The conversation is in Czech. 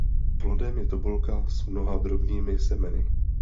Plodem je tobolka s mnoha drobnými semeny.